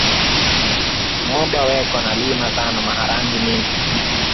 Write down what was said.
Moba weko na lima sana maharagi mingi